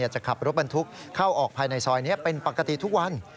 จะขับรถบรรทุกเข้าออกภายในซอยนี้เป็นปกติทุกวัน